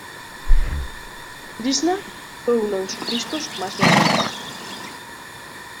Krishna fue uno de sus discos más vendidos.